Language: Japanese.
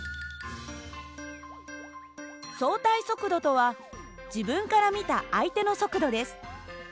相対速度とは自分から見た相手の速度です。